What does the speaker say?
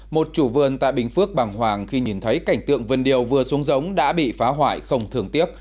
một chủ vườn tại bình phước bằng hoàng khi nhìn thấy cảnh tượng vườn điều vừa xuống giống đã bị phá hoại không thường tiếc